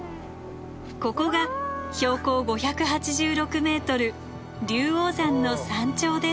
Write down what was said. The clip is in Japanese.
ここが標高５８６ｍ龍王山の山頂です。